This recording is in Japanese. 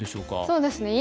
そうですね。